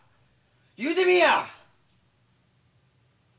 言うてみいや！